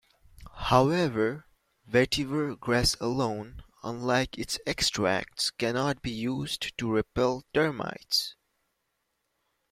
However, vetiver grass alone, unlike its extracts, cannot be used to repel termites.